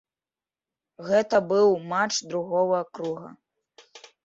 Гэта быў матч другога круга.